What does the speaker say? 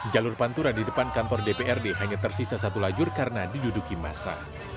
jalur pantura di depan kantor dprd hanya tersisa satu lajur karena diduduki masa